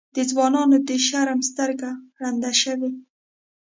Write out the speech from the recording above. د ځوانانو د شرم سترګه ړنده شوې.